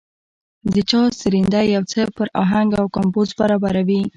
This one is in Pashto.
د چا سرېنده يو څه پر اهنګ او کمپوز برابره وي.